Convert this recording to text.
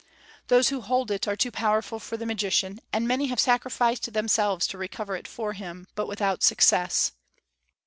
Those who hold it are too powerful for the magician, and many have sacrificed themselves to recover it for him, but without success.